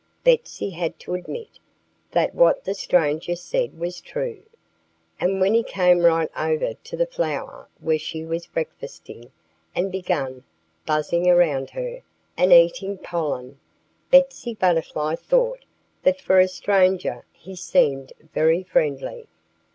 Betsy had to admit that what the stranger said was true. And when he came right over to the flower where she was breakfasting and began buzzing around her, and eating pollen, Betsy Butterfly thought that for a stranger he seemed very friendly.